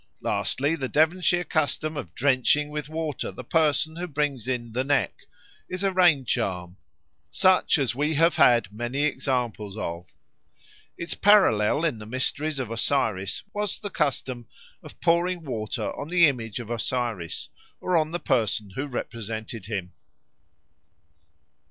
Lastly, the Devonshire custom of drenching with water the person who brings in "the neck" is a raincharm, such as we have had many examples of. Its parallel in the mysteries of Osiris was the custom of pouring water on the image of Osiris or on the person who represented him.